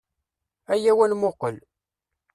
Ayaw ad nmuqel.